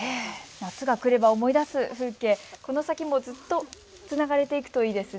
夏が来れば思い出す風景、この先もずっとつながれていくといいですね。